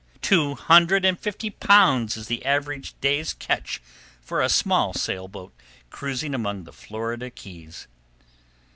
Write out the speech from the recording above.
Two hundred and fifty pounds is the average day's catch for a small sailboat cruising among the Florida Keys.